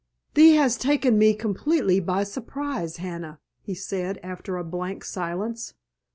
"Thee has taken me completely by surprise, Hannah!" he said after a blank silence.